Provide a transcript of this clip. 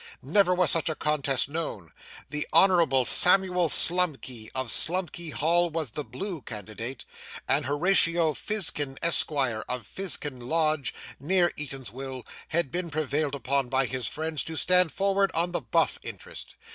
Never was such a contest known. The Honourable Samuel Slumkey, of Slumkey Hall, was the Blue candidate; and Horatio Fizkin, Esq., of Fizkin Lodge, near Eatanswill, had been prevailed upon by his friends to stand forward on the Buff interest.